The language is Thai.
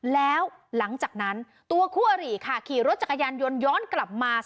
แล้วหลังจากนั้นตัวคู่อริค่ะขี่รถจักรยานยนต์ย้อนกลับมา